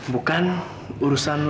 bukan urusan lu